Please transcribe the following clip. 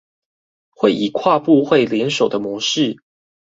會以跨部會聯手的模式